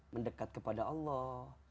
mendekat kepada allah